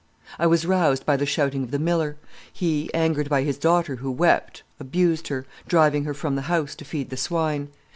"I was roused by the shouting of the miller. He, angered by his daughter who wept, abused her, driving her from the house to feed the swine.